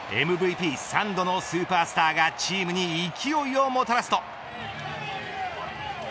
ＭＶＰ３度のスーパースターがチームに勢いをもたらすと。